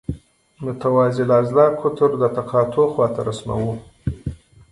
متوازی الاضلاع قطر د تقاطع خواته رسموو.